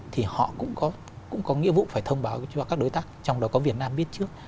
thì họ cũng có nghĩa vụ phải thông báo cho các đối tác trong đó có việt nam biết trước